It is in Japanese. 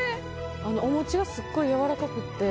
お餅がすっごいやわらかくって。